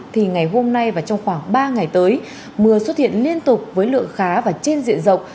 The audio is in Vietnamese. thì ngày hôm nay và trong khoảng ba ngày tới mưa xuất hiện liên tục với lượng khá và trên diện rộng